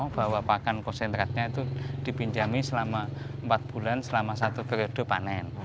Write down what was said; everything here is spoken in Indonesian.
bahwa pakan konsentratnya itu dipinjami selama empat bulan selama satu periode panen